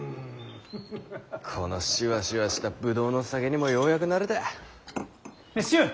このシワシワした葡萄の酒にもようやく慣れた。